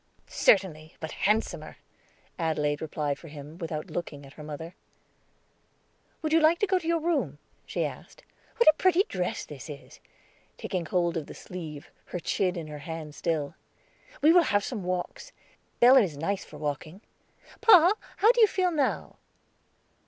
"Certainly, but handsomer," Adelaide replied for him, without looking at her mother. "Would you like to go to your room?" she asked. "What a pretty dress this is!" taking hold of the sleeve, her chin in her hand still. "We will have some walks; Belem is nice for walking. Pa, how do you feel now?"